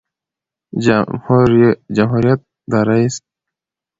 جمهوریت د رئیس